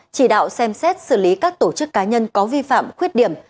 chỉ đạo xem xét xử lý các tổ chức cá nhân có vi phạm khuyết điểm